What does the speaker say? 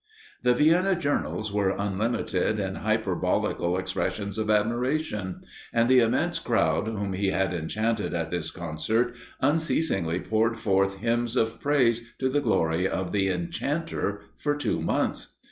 The Vienna journals were unlimited in hyperbolical expressions of admiration; and the immense crowd whom he had enchanted at this concert, unceasingly poured forth hymns of praise to the glory of the enchanter, for two months.